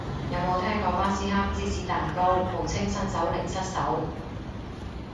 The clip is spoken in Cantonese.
有冇聽過巴斯克芝士蛋糕，號稱新手零失手